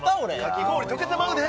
かき氷溶けてまうで！